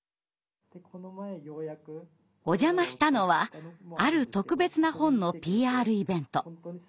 お邪魔したのはある特別な本のＰＲイベント。